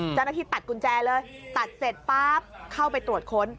เจ้าหน้าที่ตัดกุญแจเลยตัดเสร็จป๊าบเข้าไปตรวจค้น